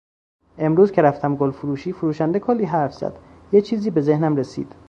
امروز که رفتم گلفروشی، فروشنده کلی حرف زد، یه چیزی به ذهنم رسید